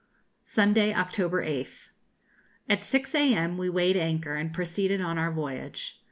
_ Sunday, October 8th. At 6 a.m. we weighed anchor, and proceeded on our voyage.